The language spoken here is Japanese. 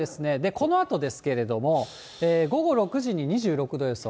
このあとですけれども、午後６時に２６度予想。